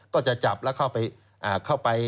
ก็จะจับแล้วเข้าไป